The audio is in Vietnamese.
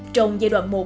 trong giai đoạn một